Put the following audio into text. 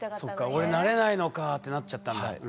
「俺なれないのか」ってなっちゃったんだ。